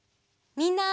みんな！